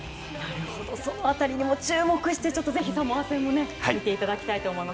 その辺りにも注目してぜひサモア戦も見ていただきたいと思います。